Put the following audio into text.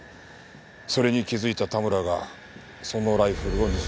それに気づいた田村がそのライフルを盗んだ。